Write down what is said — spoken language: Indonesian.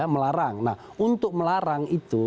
melarang nah untuk melarang itu